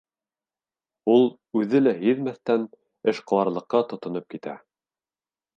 Ул үҙе лә һиҙмәҫтән эшҡыуарлыҡҡа тотоноп китә.